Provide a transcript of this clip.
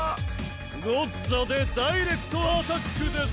ゴッズァでダイレクトアタックです！